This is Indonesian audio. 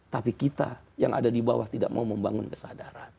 tapi kita yang ada di bawah tidak mau membangun kesadaran